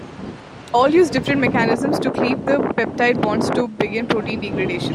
All use different mechanisms to cleave the peptide bonds to begin protein degradation.